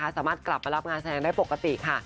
สามารถกลับมารับงานแสดงได้ปกติค่ะ